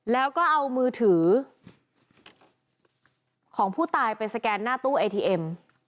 แล้วก็เอามือถือของผู้ตายไปสแกนหน้าตู้เอทีเอ็ม